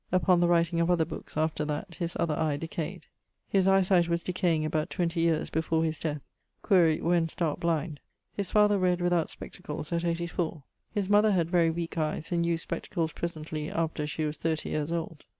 Upon the writing of other bookes, after that, his other eie decayed. His eie sight was decaying about 20 yeares before his death: quaere, when starke blind? His father read without spectacles at 84. His mother had very weake eies, and used spectacles presently after she was thirty yeares old.